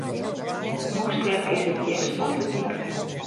Hoe sterk is it gjers op de dyk?